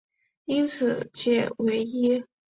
因此解唯一。